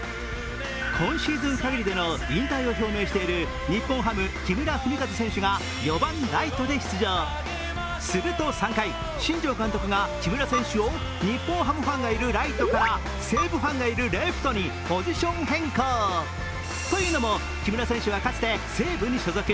今シーズンかぎりでの引退を表明している日本ハム・木村文紀選手が４番・ライトで出場、すると３回新庄監督が木村選手を日本ハムファンがいるライトから西武ファンがいるレフトにポジション変更。というのも、木村選手はかつて西武に所属。